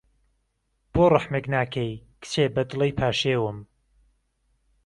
بۆ روحمێک ناکهی، کچێ به دڵهی پاشێوم